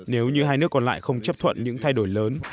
nếu như hai nước còn lại không chấp thuận những thay đổi lớn